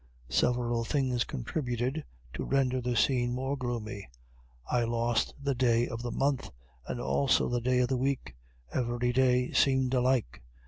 Several things contributed to render the scene more gloomy. I lost the day of the month, and also the day of the week; every day seemed alike.